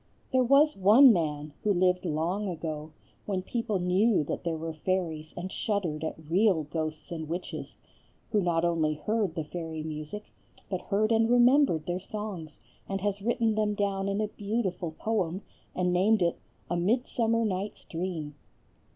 There was one man, who lived long ago, when people knew that there were fairies and shuddered at real ghosts and witches, who not only heard the fairy music, but heard and remembered their songs, and has written them down in a beautiful poem, and named it "A Midsummer Night's Dream."